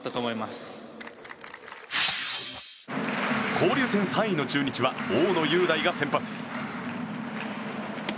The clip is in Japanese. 交流戦３位の中日は大野雄大が先発。